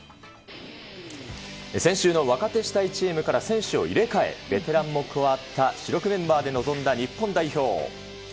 先週の若手主体チームから選手を入れ替え、ベテランも加わった主力メンバーで臨んだ日本代表。